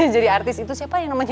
jadi artis itu siapa aja namanya